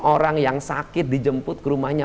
orang yang sakit dijemput ke rumahnya